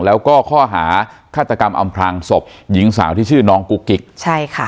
แล้วก็ข้อหาฆาตกรรมอำพลางศพหญิงสาวที่ชื่อน้องกุ๊กกิ๊กใช่ค่ะ